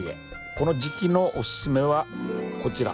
この時期のおすすめはこちら。